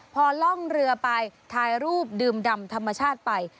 พอล่องเรือไปถ่ายรูปดื่มดำธรรมชาติไป